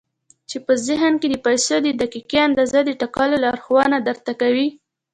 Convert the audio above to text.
چې په ذهن کې د پيسو د دقيقې اندازې د ټاکلو لارښوونه درته کوي.